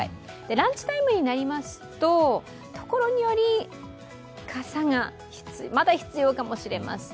ランチタイムになりますと、所により傘がまだ必要かもしれません。